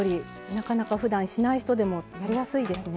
なかなかふだんしない人でも作りやすいですね。